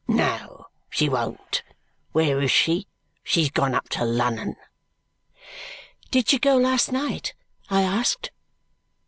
No she won't. Where is she? She's gone up to Lunnun." "Did she go last night?" I asked.